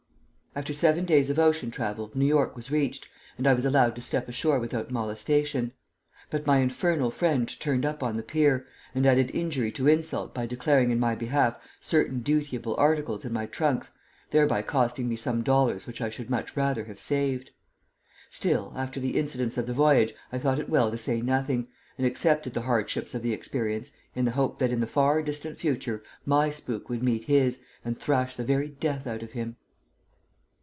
After seven days of ocean travel New York was reached, and I was allowed to step ashore without molestation. But my infernal friend turned up on the pier, and added injury to insult by declaring in my behalf certain dutiable articles in my trunks, thereby costing me some dollars which I should much rather have saved. Still, after the incidents of the voyage, I thought it well to say nothing, and accepted the hardships of the experience in the hope that in the far distant future my spook would meet his and thrash the very death out of him.